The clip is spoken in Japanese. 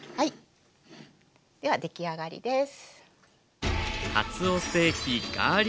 出来上がりです。